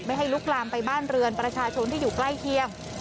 ให้ลุกลามไปบ้านเรือนประชาชนที่อยู่ใกล้เคียง